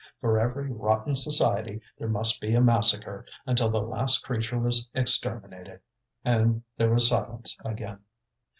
For every rotten society there must be a massacre, until the last creature was exterminated. And there was silence again.